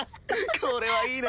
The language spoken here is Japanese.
これはいいな。